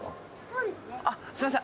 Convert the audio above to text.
すいません